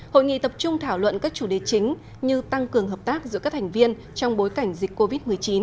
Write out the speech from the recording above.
hội nghị tập trung thảo luận các chủ đề chính như tăng cường hợp tác giữa các thành viên trong bối cảnh dịch covid một mươi chín